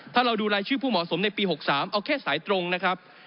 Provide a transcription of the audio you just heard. ถ้าเราดูรายชื่อผู้เหมาะสมในปี๖๓เอาแค่สายตรงนะครับ